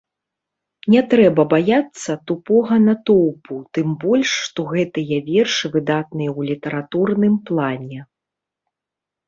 Не трэба баяцца тупога натоўпу, тым больш, што гэтыя вершы выдатныя ў літаратурным плане.